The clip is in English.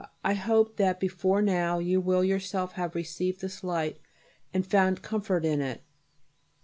I hope that before now you will yourself have received this light and found comfort in it.